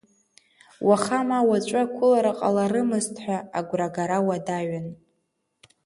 Уаха ма уаҵәы ақәылара ҟаларымызт ҳәа агәрагара уадаҩын.